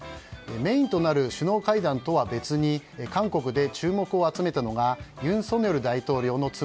メインとなる首脳会談とは別に韓国で注目を集めたのが尹錫悦大統領の妻